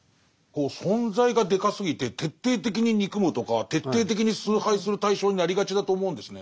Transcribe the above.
存在がでかすぎて徹底的に憎むとか徹底的に崇拝する対象になりがちだと思うんですね。